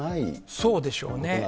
そうでしょうね。